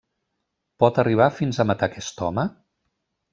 Pot arribar fins a matar aquest home?